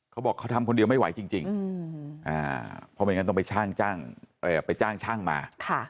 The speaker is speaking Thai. เขาบอกเขาทำคนเดียวไม่ไหวจริงเพราะไม่งั้นต้องไปจ้างช่างมา